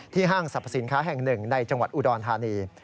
ห้างสรรพสินค้าแห่งหนึ่งในจังหวัดอุดรธานี